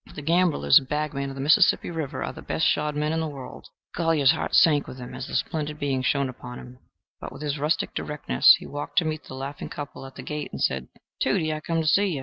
The gamblers and bagmen of the Mississippi River are the best shod men in the world. Golyer's heart sank within him as this splendid being shone upon him. But with his rustic directness he walked to meet the laughing couple at the gate, and said, "Tudie, I come to see you.